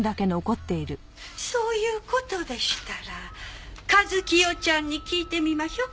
そういう事でしたら和清ちゃんに聞いてみまひょ。